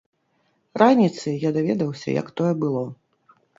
Раніцай я даведаўся, як тое было.